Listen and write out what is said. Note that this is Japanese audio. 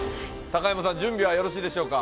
高山さん、準備はよろしいでしょうか？